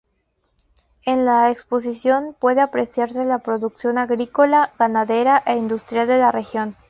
En la exposición puede apreciarse la producción agrícola, ganadera e industrial de la región.